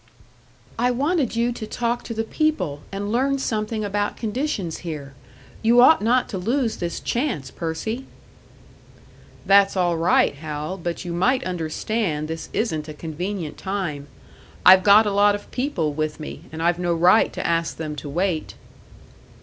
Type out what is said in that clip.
"I wanted you to talk to the people and learn something about conditions here. You ought not to lose this chance, Percy!" "That's all right, Hal, but you might understand this isn't a convenient time. I've got a lot of people with me, and I've no right to ask them to wait."